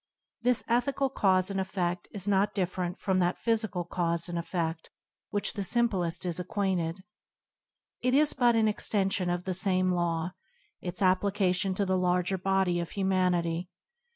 This ethical cause and effed is not differ ent from that physical cause and effed with which the simplest is acquainted. It is but an extension of the same law; its applica tion to the larger body of humanity.